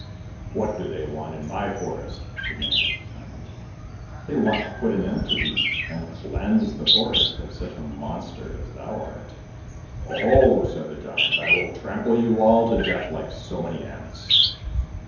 "What do they want in my forest?" demanded the giant. "They want to put an end to thee, and cleanse the forest of such a monster as thou art!" "Oho!" said the giant, "I will trample you all to death like so many ants."